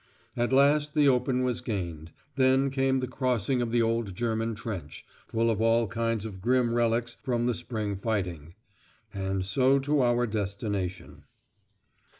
At last the open was gained; then came the crossing of the old German trench, full of all kinds of grim relics from the spring fighting. And so to our destination.